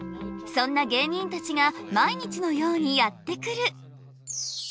そんな芸人たちが毎日のようにやって来る。